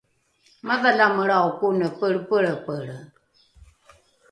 madhalamelrao kone pelrepelrepelre